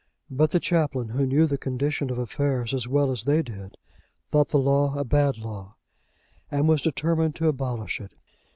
But the Chaplain, who knew the condition of affairs as well as they did, thought the law a bad law, and was determined to abolish it.